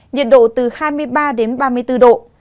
nhiệt độ từ hai mươi ba đến ba mươi bốn độ